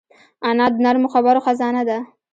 انا د نرمو خبرو خزانه ده